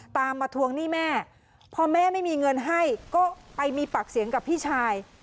ตามมาทวงหนี้แม่พอแม่ไม่มีเงินให้ก็ไปมีปากเสียงกับพี่ชาย